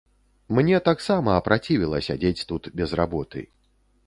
Мне таксама апрацівела сядзець тут без работы.